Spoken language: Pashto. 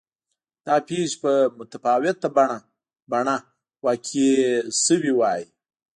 دغه پېښې په متفاوته بڼه واقع شوې وای.